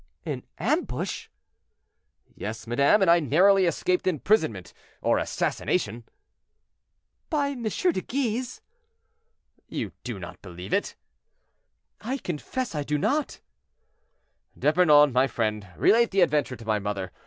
"An ambush!" "Yes, madame, and I narrowly escaped imprisonment or assassination." "By M. de Guise?" "You do not believe it?" "I confess I do not." "D'Epernon, my friend, relate the adventure to my mother.